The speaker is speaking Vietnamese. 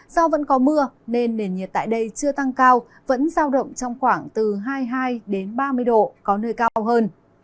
do vẫn có mưa nên nền nhiệt tại đây chưa tăng cao vẫn giao động trong khoảng từ hai mươi hai ba mươi độ có nơi cao hơn